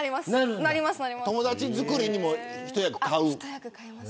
友達づくりにも一役買う。